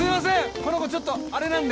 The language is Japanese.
この子ちょっとアレなんで。